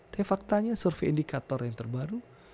tapi faktanya survei indikator yang terbaru